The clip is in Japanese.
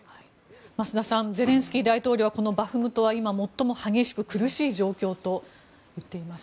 増田さんゼレンスキー大統領はバフムトは今、最も激しく苦しい状況といっています。